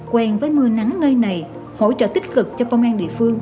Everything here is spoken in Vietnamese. quen với mưa nắng nơi này hỗ trợ tích cực cho công an địa phương